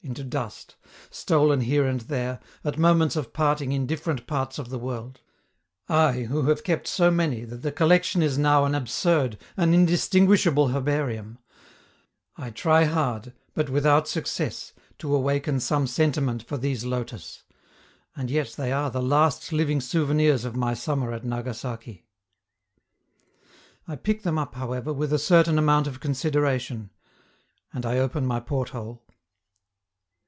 into dust, stolen here and there, at moments of parting in different parts of the world; I, who have kept so many that the collection is now an absurd, an indistinguishable herbarium I try hard, but without success, to awaken some sentiment for these lotus and yet they are the last living souvenirs of my summer at Nagasaki. I pick them up, however, with a certain amount of consideration, and I open my port hole.